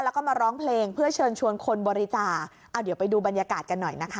แล้วก็มาร้องเพลงเพื่อเชิญชวนคนบริจาคเอาเดี๋ยวไปดูบรรยากาศกันหน่อยนะคะ